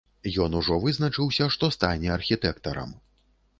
Ён ужо вызначыўся, што стане архітэктарам.